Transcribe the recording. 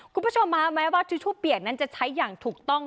คุณผู้ชมแม้ว่าชูชุ่มเปียกนั้นจะใช้อย่างถูกต้อง